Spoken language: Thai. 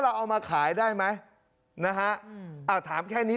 เอามาขายได้ไหมนะฮะอืมอ่าถามแค่นี้